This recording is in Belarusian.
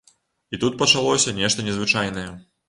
І тут пачалося нешта незвычайнае.